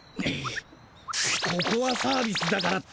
ここはサービスだからって。